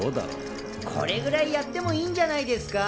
これぐらいやってもいいんじゃないですか？